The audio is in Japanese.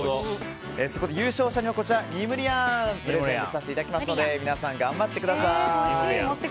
そこで優勝者にはニムリアンをプレゼントさせていただきますので皆さん、頑張ってください！